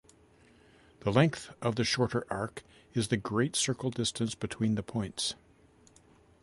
The length of the shorter arc is the great-circle distance between the points.